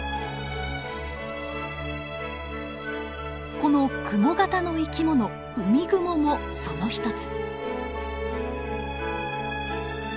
このクモ型の生き物ウミグモもその一つ。